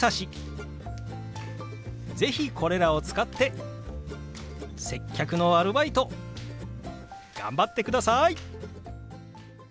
是非これらを使って接客のアルバイト頑張ってください！